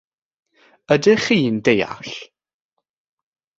Ydych chi'n deall?